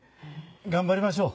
頑張りましょう。